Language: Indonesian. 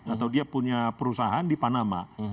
atau dia punya perusahaan di panama